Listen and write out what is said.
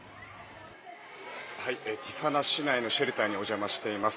ティフアナ市内のシェルターにお邪魔しています。